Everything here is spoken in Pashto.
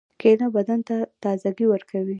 کېله بدن ته تازګي ورکوي.